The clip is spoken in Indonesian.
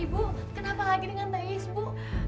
ibu kenapa lagi dengan teh eis ibu